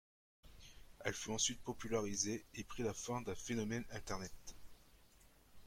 Elle fut ensuite popularisée et prit la forme d'un phénomène Internet.